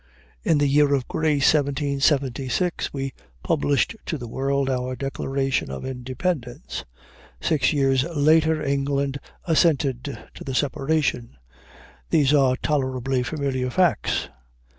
In the year of grace 1776, we published to the world our Declaration of Independence. Six years later, England assented to the separation. These are tolerably familiar facts.